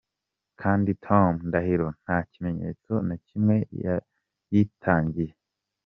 Kandi Tom Ndahiro nta kimenyetso na kimwe yabitangiye.